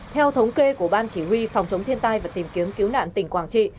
theo thống kê của ban chỉ huy phòng chống thiên tai và tìm kiếm cứu nạn tỉnh quảng trị